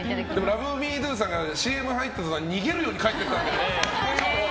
ＬｏｖｅＭｅＤｏさんがＣＭ入ったとたんに逃げるように帰っていったんで。